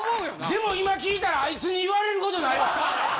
でも今聞いたらあいつに言われることないわ。